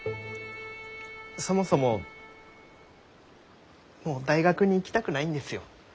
そもそももう大学に行きたくないんですよ。